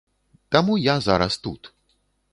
Таму я зараз тут.